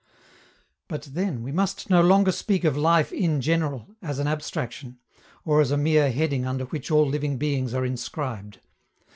But then, we must no longer speak of life in general as an abstraction, or as a mere heading under which all living beings are inscribed.